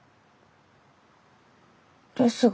ですが